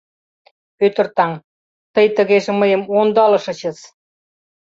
Пӧтыр таҥ, тый тыгеже мыйым ондалышычыс...